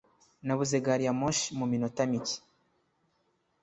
Nabuze gari ya moshi mu minota mike.